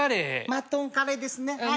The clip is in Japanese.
マトンカレーですねはい。